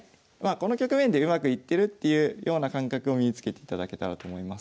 この局面でうまくいってるっていうような感覚を身につけていただけたらと思います。